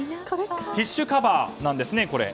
ティッシュカバーなんですね。